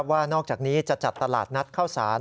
ว่านอกจากนี้จะจัดตลาดนัดเข้าสาร